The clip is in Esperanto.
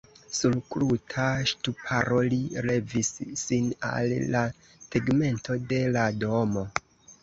Sur kruta ŝtuparo li levis sin al la tegmento de la domo.